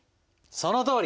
そのとおり！